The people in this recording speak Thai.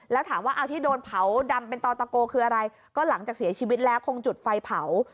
แล้วถามว่าเอาที่โดนเผาดำเป็นต่อตะโกคืออะไรก็หลังจากเสียชีวิตแล้วคงจุดไฟเผา